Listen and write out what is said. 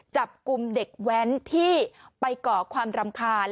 จับกลุ่มเด็กแว้นที่ไปก่อความรำคาญ